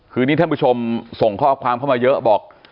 คือนี่ท่านผู้ชมส่งข้อความเข้ามาเยอะบอก